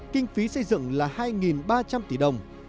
kinh phí xây dựng là hai ba trăm linh tỷ đồng